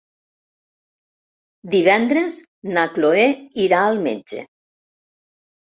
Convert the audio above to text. Divendres na Cloè irà al metge.